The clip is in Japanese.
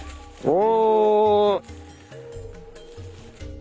お！